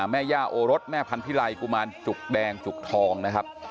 แม่ย่าโอรสแม่พันธิไลกุมารจุกแดงจุกทองนะครับ